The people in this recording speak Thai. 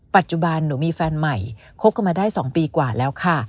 ปัจจุบันหนูมีแฟนใหม่คบกันมาได้๒ปีกว่าแล้วค่ะ